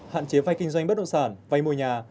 hạn chế vai kinh doanh bất động sản vai môi nhà